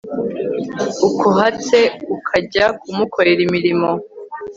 ukuhatse ukajya kumukorera imirimo